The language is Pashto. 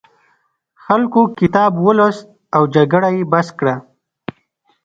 خلکو کتاب ولوست او جګړه یې بس کړه.